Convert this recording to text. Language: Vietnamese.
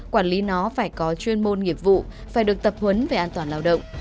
quản lý nó phải có chuyên môn nghiệp vụ phải được tập huấn về an toàn lao động